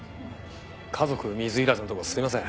家族水入らずのとこすいません。